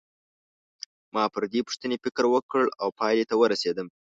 ما پر دې پوښتنې فکر وکړ او پایلې ته ورسېدم.